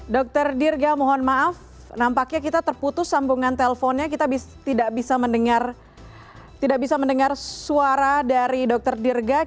dr dirga mohon maaf nampaknya kita terputus sambungan telponnya kita tidak bisa mendengar tidak bisa mendengar suara dari dr dirga